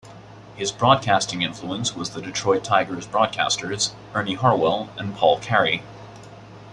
His broadcasting influence was the Detroit Tigers' broadcasters, Ernie Harwell and Paul Carey.